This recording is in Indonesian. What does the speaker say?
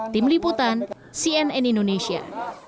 tim liputan cnn indonesia